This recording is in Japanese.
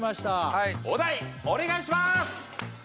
はいお題お願いします